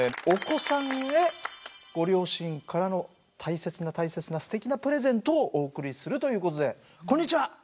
お子さんへご両親からの大切な大切なすてきなプレゼントをお贈りするということでこんにちは。